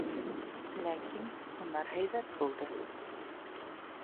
— Ләкин һунар һәйбәт булды.